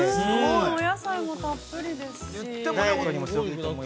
◆お野菜もたっぷりですし。